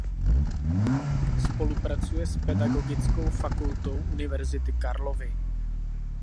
Spolupracuje s Pedagogickou fakultou Univerzity Karlovy.